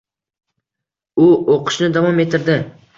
U oʻqishni davom ettirdi